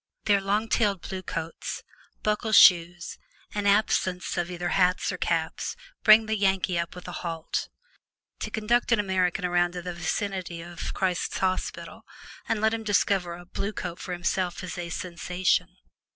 Their long tailed blue coats, buckle shoes, and absence of either hats or caps bring the Yankee up with a halt. To conduct an American around to the vicinity of Christ's Hospital and let him discover a "Blue Coat" for himself is a sensation.